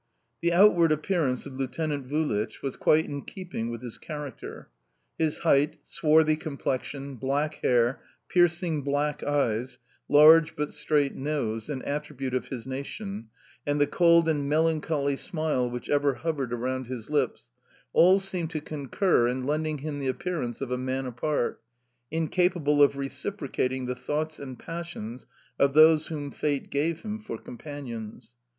The outward appearance of Lieutenant Vulich was quite in keeping with his character. His height, swarthy complexion, black hair, piercing black eyes, large but straight nose an attribute of his nation and the cold and melancholy smile which ever hovered around his lips, all seemed to concur in lending him the appearance of a man apart, incapable of reciprocating the thoughts and passions of those whom fate gave him for companions.